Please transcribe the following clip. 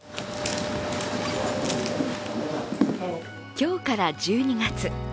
今日から１２月。